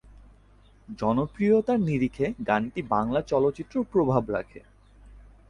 জনপ্রিয়তার নিরিখে গানটি বাংলা চলচ্চিত্রেও প্রভাব রাখে।